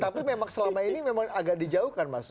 tapi memang selama ini memang agak dijauhkan mas